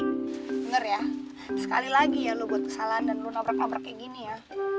denger ya sekali lagi ya lo buat kesalahan dan lo nabrak nabrak kayak gini ya